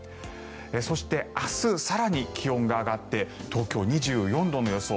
そして、明日更に気温が上がって東京、２４度の予想。